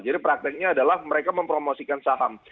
jadi prakteknya adalah mereka mempromosikan saham